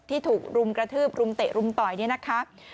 ถูกรุมกระทืบรุมเตะรุมต่อยเนี่ยนะคะ